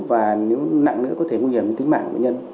và nếu nặng nữa có thể nguy hiểm đến tính mạng của bệnh nhân